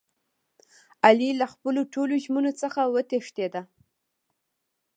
علي له خپلو ټولو ژمنو څخه و تښتېدا.